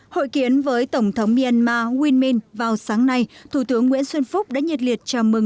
hội kiến với tổng thống myanmar winmin vào sáng nay thủ tướng nguyễn xuân phúc đã nhiệt liệt chào mừng